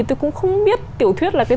tôi cũng không biết tiểu thuyết là cái gì